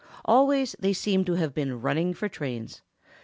Always they seemed to have been running for trains.